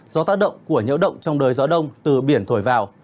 do tác động của nhiễu động trong đời gió đông từ biển thổi vào